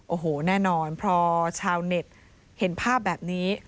โอ้โหแน่นอนพอชาวเน็ตเห็นภาพแบบนี้